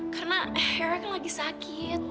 karena herak lagi sakit